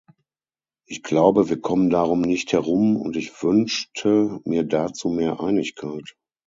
Ich glaube, wir kommen darum nicht herum, und ich wünschte mir dazu mehr Einigkeit.